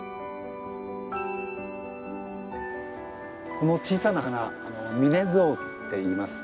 この小さな花ミネズオウっていいます。